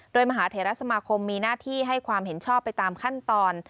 โดยมหาเทราสมาคมมีหน้าที่ให้ความเห็นชอบไปตามขั้นตอน